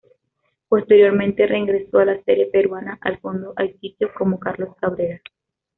Posteriormente reingresó a la serie peruana "Al fondo hay sitio" como Carlos Cabrera.